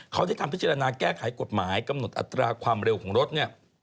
เขาได้ทำพิจารณาแก้ไขกฎหมายกำหนดอัตราความเร็วของรถเนี่ย